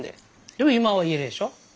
でも今は言えるでしょ？